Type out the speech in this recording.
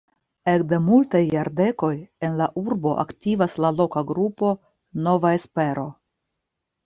Ekde multaj jardekoj en la urbo aktivas la loka grupo "Nova Espero".